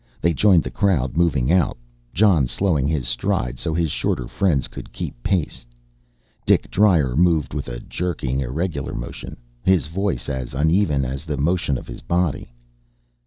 They joined the crowd moving out, Jon slowing his stride so his shorter friends could keep pace. Dik Dryer moved with a jerking, irregular motion, his voice as uneven as the motion of his body.